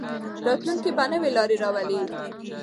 راتلونکی به نوې لارې راولي.